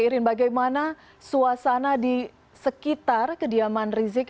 irin bagaimana suasana di sekitar kediaman rizik